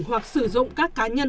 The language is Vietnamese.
hoặc sử dụng các cá nhân